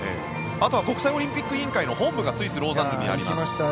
あとは国際オリンピック委員会の本部がスイス・ローザンヌにあります。